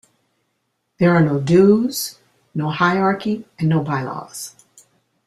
There are no dues, no hierarchy and no bylaws.